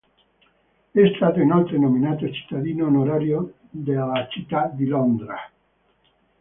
È stato inoltre nominato cittadino onorario della città di Londra.